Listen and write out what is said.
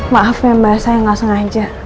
maaf ya mbak saya nggak sengaja